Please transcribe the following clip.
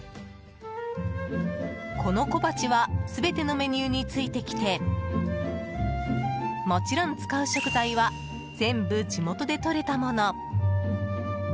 この小鉢は全てのメニューについてきてもちろん使う食材は全部、地元でとれたもの。